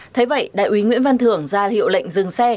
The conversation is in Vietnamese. thế vậy đại úy nguyễn văn thưởng ra hiệu lệnh dừng xe